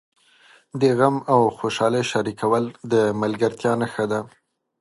د غم او خوشالۍ شریکول د ملګرتیا نښه ده.